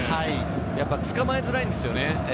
捕まえづらいんですよね。